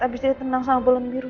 abis itu tenang sama balon biru